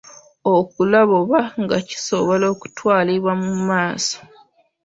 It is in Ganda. Okulaba oba nga kisobola okutwalibwa mu maaso.